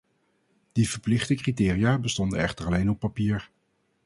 Die verplichte criteria bestonden echter alleen op papier.